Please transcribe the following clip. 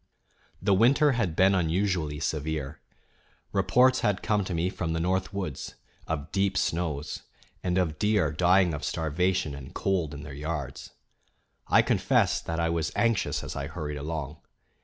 The winter bad been unusually severe. Reports had come to me from the North Woods of deep snows, and of deer dying of starvation and cold in their yards. I confess that I was anxious as I hurried along.